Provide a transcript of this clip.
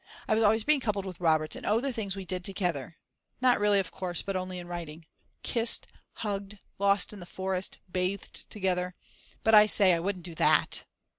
I was always being coupled with Robert and oh the things we did together, not really of course but only in writing: kissed, hugged, lost in the forest, bathed together; but I say, I wouldn't do _that!